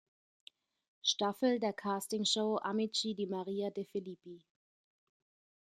Staffel der Castingshow "Amici di Maria De Filippi".